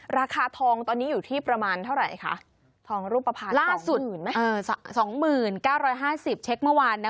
ราคาทองตอนนี้อยู่ที่ประมาณเท่าไหร่คะทองรูปภัณฑ์ล่าสุด๒๙๕๐เช็คเมื่อวานนะ